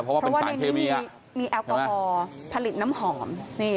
เพราะว่าเป็นสารเคมีมีแอลกอฮอล์ผลิตน้ำหอม